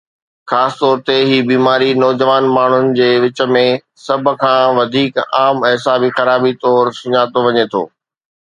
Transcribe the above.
خاص طور تي، هي بيماري نوجوان ماڻهن جي وچ ۾ سڀ کان وڌيڪ عام اعصابي خرابي طور سڃاتو وڃي ٿو